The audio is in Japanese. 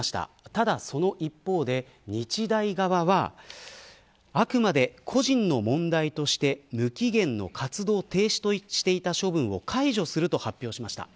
ただ、その一方で日大側はあくまで個人の問題として無期限の活動停止としていた処分を解除すると発表しました。